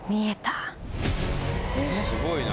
すごいな。